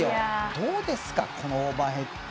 どうですか、このオーバーヘッド。